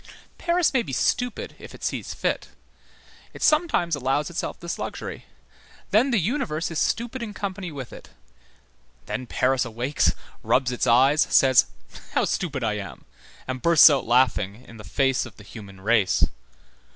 Paris may be stupid, if it sees fit; it sometimes allows itself this luxury; then the universe is stupid in company with it; then Paris awakes, rubs its eyes, says: "How stupid I am!" and bursts out laughing in the face of the human race.